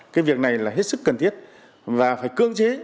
cái việc này là hết sức cần thiết và phải cưỡng chế